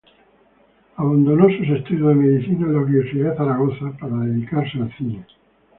Abandonó sus estudios de medicina en la Universidad de Zaragoza para dedicarse al cine.